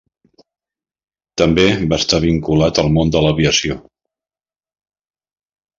També va estar vinculat al món de l'aviació.